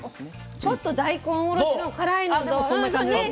ちょっと大根おろしの辛いのと。